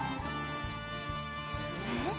えっ？